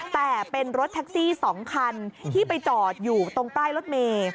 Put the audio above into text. แต่เป็นรถแท็กซี่๒คันที่ไปจอดอยู่ตรงป้ายรถเมย์